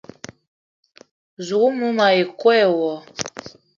Zouk mou ma yi koo e wo